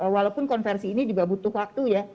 walaupun konversi ini juga butuh waktu ya